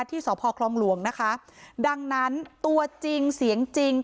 ที่สพคลองหลวงนะคะดังนั้นตัวจริงเสียงจริง